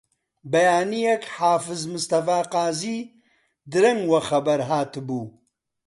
بەیانییەک حافز مستەفا قازی درەنگ وە خەبەر هاتبوو